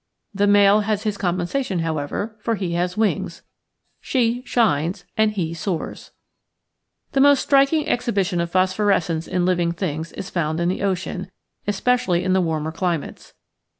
The male has his compensation, however, for he has wings. She shines and he soars. The most striking exhibition of phosphores cence in living things is found in the ocean, especially in the warmer climates.